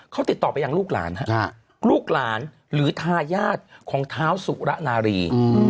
เขาติดต่อไปยังลูกหลานลูกหลานหรือทายาทของเท้าสุระนารี